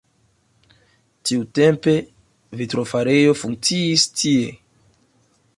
Tiutempe vitrofarejo funkciis tie.